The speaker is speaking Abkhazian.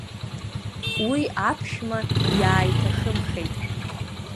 Уи аԥшәма иааиҭахымхеит.